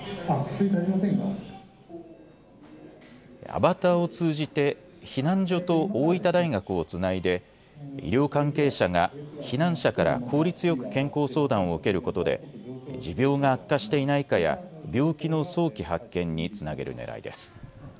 アバターを通じて避難所と大分大学をつないで医療関係者が避難者から効率よく健康相談を受けることで持病が悪化していないかや病気の早期発見につなげるねらいです。